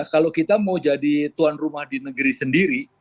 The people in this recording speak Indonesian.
kalau kita mau jadi tuan rumah di negeri sendiri